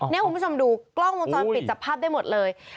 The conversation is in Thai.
นี่คุณผู้ชมดูกล้องวงจรปิดจับภาพได้หมดเลย